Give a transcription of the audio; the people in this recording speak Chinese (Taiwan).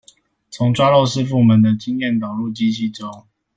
將抓漏師傅們的經驗導入機器中